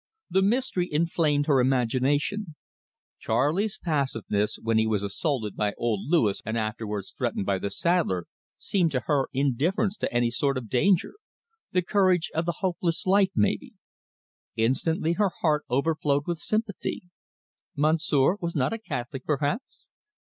The mystery inflamed her imagination. Charley's passiveness when he was assaulted by old Louis and afterwards threatened by the saddler seemed to her indifference to any sort of danger the courage of the hopeless life, maybe. Instantly her heart overflowed with sympathy. Monsieur was not a Catholic perhaps?